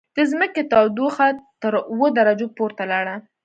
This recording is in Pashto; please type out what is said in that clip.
د ځمکې تودوخه تر اووه درجو پورته لاړه.